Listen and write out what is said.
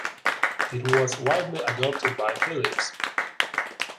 It was widely adopted by Philips.